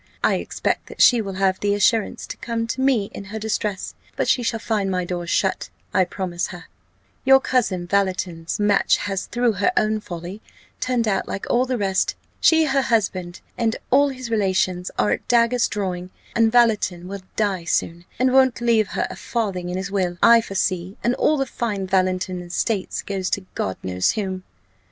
I expect that she will have the assurance to come to me in her distress: but she shall find my doors shut, I promise her. Your cousin Valleton's match has, through her own folly, turned out like all the rest. She, her husband, and all his relations are at daggers drawing; and Valleton will die soon, and won't leave her a farthing in his will, I foresee, and all the fine Valleton estate goes to God knows whom!